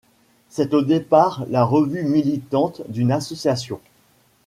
C'est au départ la revue militante d'une association.